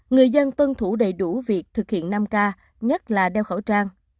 người dân tuân thủ đầy đủ việc thực hiện năm k nhất là đeo khẩu trang